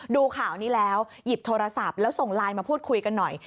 ดูข่าวนี้แล้วหยิบโทรศัพท์แล้วส่งไลน์มาพูดคุยกันหน่อย